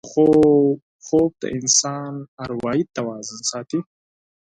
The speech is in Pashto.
خوب د انسان اروايي توازن ساتي